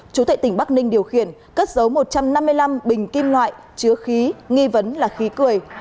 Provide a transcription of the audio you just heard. chủ tệ tỉnh bắc ninh điều khiển cất dấu một trăm năm mươi năm bình kim loại chứa khí nghi vấn là khí cười